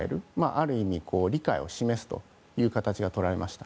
ある意味、理解を示すという形がとられました。